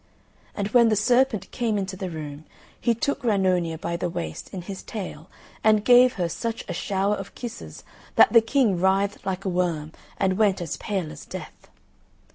And when the serpent came into the room, he took Grannonia by the waist, in his tail, and gave her such a shower of kisses that the King writhed like a worm, and went as pale as Death.